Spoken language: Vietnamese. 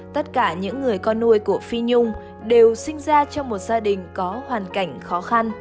tất cả những người con nuôi của phi nhung đều sinh ra trong một gia đình có hoàn cảnh khó khăn